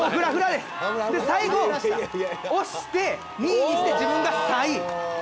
で最後押して２位にして自分が３位。